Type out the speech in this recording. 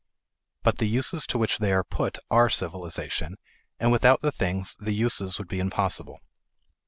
But the uses to which they are put are civilization, and without the things the uses would be impossible.